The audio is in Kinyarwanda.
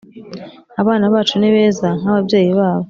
Abana bacu ni beza nkaba byeyi babo